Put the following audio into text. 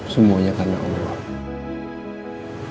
semuanya karena allah